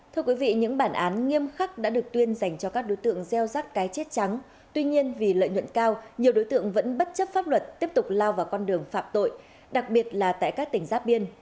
thưa quý vị những bản án nghiêm khắc đã được tuyên dành cho các đối tượng gieo rát cái chết trắng tuy nhiên vì lợi nhuận cao nhiều đối tượng vẫn bất chấp pháp luật tiếp tục lao vào con đường phạm tội đặc biệt là tại các tỉnh giáp biên